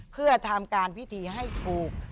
เพื่อทำการพิธีให้ถูก